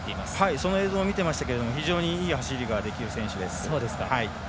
その映像を見ましたが非常にいい走りをできる選手です。